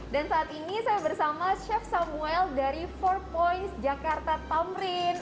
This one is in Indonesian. dan saat ini saya bersama chef samuel dari empat points jakarta tamrin